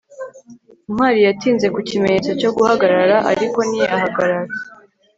ntwali yatinze ku kimenyetso cyo guhagarara, ariko ntiyahagarara